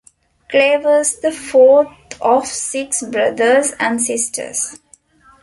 Clay was the fourth of six brothers and sisters.